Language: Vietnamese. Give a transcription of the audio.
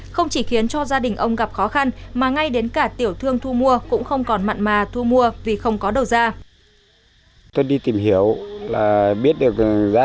không chỉ khiến cho gia đình ông gặp khó khăn mà ngay đến cả tiểu thương thu mua cũng không còn mặn mà thu mua vì không có đầu ra